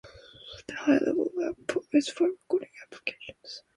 The high level output is for recording applications.